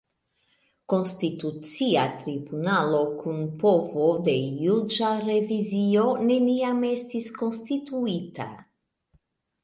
Konstitucia Tribunalo kun povo de juĝa revizio neniam estis konstituita.